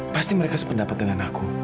pasti mereka sependapat dengan aku